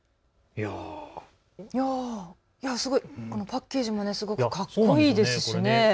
パッケージもすごくかっこいいですしね。